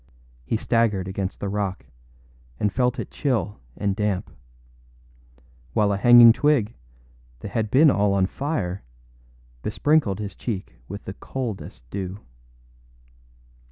He staggered against the rock, and felt it chill and damp; while a hanging twig, that had been all on fire, besprinkled his cheek with the coldest dew.